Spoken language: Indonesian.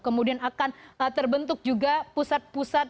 kemudian akan terbentuk juga pusat pusat